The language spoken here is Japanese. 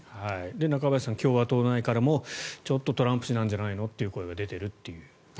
中林さん、共和党内からもトランプ氏なんじゃないのという声が出ているという。